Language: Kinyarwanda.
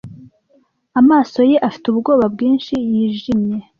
Amaso ye afite ubwoba bwinshi yijimye.